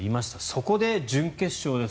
そこで準決勝です。